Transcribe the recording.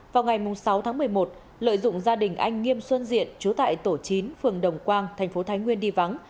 vào ngày sáu tháng một mươi một lợi dụng gia đình anh nghiêm xuân diện chú tại tổ chín phường đồng quang thành phố thái nguyên đi vắng